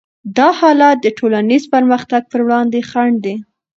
دا حالت د ټولنیز پرمختګ پر وړاندې خنډ دی.